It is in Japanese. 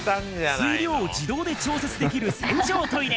水量を自動で調節できる洗浄トイレ。